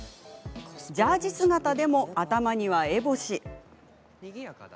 ジャージ姿でも頭には烏帽子。